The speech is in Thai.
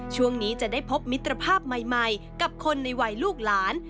ช่วงนี้จะได้พบมิตรภาพใหม่กับคนในวัยลูกหลาน